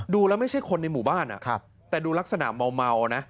ดูแล้วไม่ใช่คนในหมู่บ้านแต่ดูลักษณะเมานะ